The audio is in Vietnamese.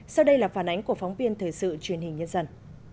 sau đây là phản ánh của phóng viên thời sự truyền hình nhân dân